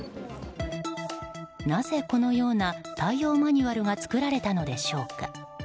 なぜこのような対応マニュアルが作られたのでしょうか。